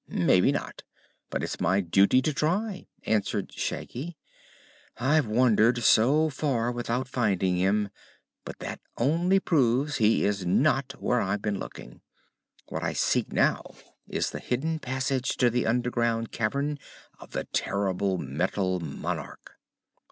"Maybe not; but it's my duty to try," answered Shaggy. "I've wandered so far without finding him, but that only proves he is not where I've been looking. What I seek now is the hidden passage to the underground cavern of the terrible Metal Monarch."